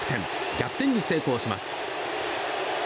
逆転に成功します。